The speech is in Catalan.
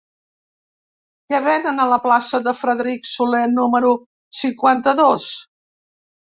Què venen a la plaça de Frederic Soler número cinquanta-dos?